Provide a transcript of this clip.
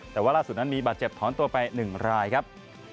แต่ว่าล่าสุดนั้นมีบาดเจ็บถอนตัวไป๑รายครับ